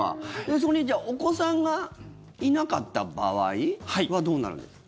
そこにじゃあお子さんがいなかった場合はどうなるんですか？